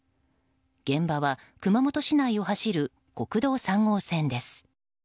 現場は熊本市内を走る国道３号線です。